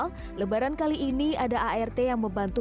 pada lebaran kali ini ada art yang membantu